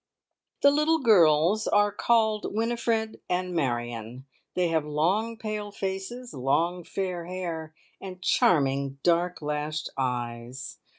The little girls are called Winifred and Marion. They have long pale faces, long fair hair, and charming dark lashed eyes.